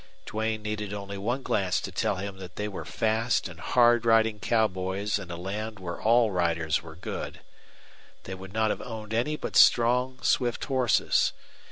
Duane needed only one glance to tell him that they were fast and hard riding cowboys in a land where all riders were good. They would not have owned any but strong, swift horses.